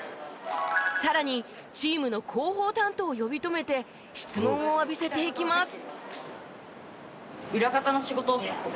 さらにチームの広報担当を呼び止めて質問を浴びせていきます。